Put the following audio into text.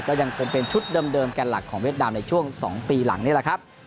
ก็ยังคงเป็นชุดเดิมแก่หลักของเวียดนามในช่วง๒ปีหลังนี่แหละครับ